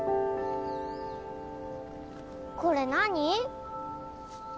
これ何？